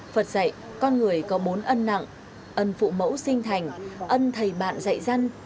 phật dạy con người có bốn ân nặng ân phụ mẫu sinh thành ân thầy bạn dạy dân